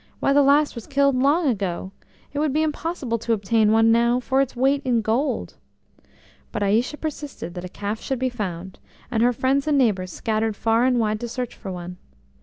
"Why, the last was killed long ago. It would be impossible to obtain one now for its weight in gold." But Aïcha persisted that a calf should be found, and her friends and neighbours scattered far and wide to search for one.